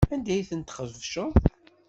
Anda ay tent-txebceḍ?